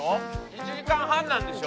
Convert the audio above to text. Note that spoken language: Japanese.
１時間半なんでしょ？